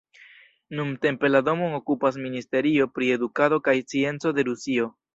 Nuntempe la domon okupas Ministerio pri edukado kaj scienco de Rusio.